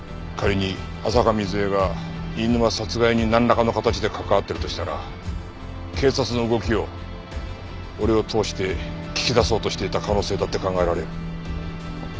仮に浅香水絵が飯沼殺害になんらかの形で関わってるとしたら警察の動きを俺を通して聞き出そうとしていた可能性だって考えられる。